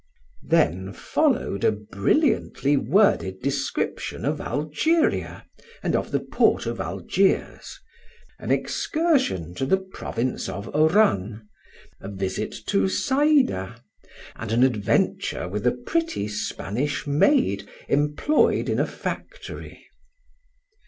'" Then followed a brilliantly worded description of Algeria and of the port of Algiers, an excursion to the province of Oran, a visit to Saida, and an adventure with a pretty Spanish maid employed in a factory.